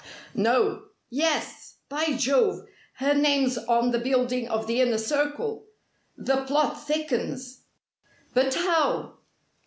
"No. Yes! By Jove, her name's on the building of the Inner Circle! The plot thickens." "But how?"